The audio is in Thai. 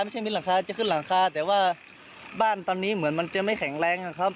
มิดหลังคาจะขึ้นหลังคาแต่ว่าบ้านตอนนี้เหมือนมันจะไม่แข็งแรงนะครับ